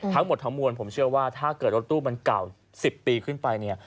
ทั้งหมดทั้งมวลผมเชื่อว่าถ้าเกิดรถตู้มันเก่า๑๐ปีขึ้นไปเนี่ย